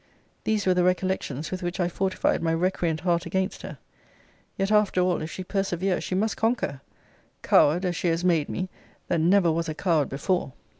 These were the recollections with which I fortified my recreant heart against her! Yet, after all, if she persevere, she must conquer! Coward, as she has made me, that never was a coward before!